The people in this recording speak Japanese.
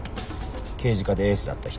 刑事課でエースだった人。